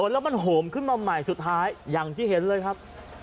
แล้วมันโหมขึ้นมาใหม่สุดท้ายอย่างที่เห็นเลยครับ